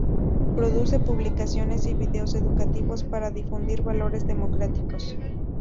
Produce publicaciones y videos educativos para difundir valores democráticos.